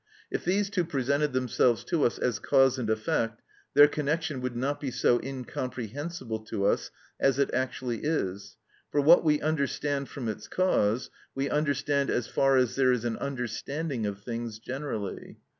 If these two presented themselves to us as cause and effect their connection would not be so incomprehensible to us as it actually is; for what we understand from its cause we understand as far as there is an understanding of things generally.